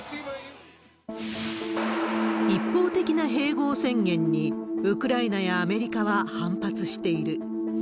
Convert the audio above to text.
一方的な併合宣言に、ウクライナやアメリカは反発している。